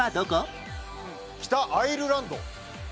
北アイルランド。